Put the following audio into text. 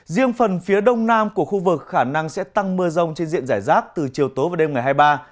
riêng phần phía đông nam của khu vực khả năng sẽ tăng mưa rông trên diện giải rác từ chiều tối và đêm ngày hai mươi ba